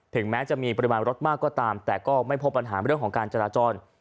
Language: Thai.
แม้จะมีปริมาณรถมากก็ตามแต่ก็ไม่พบปัญหาเรื่องของการจราจร